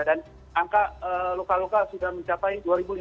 dan angka luka luka sudah mencapai dua lima ratus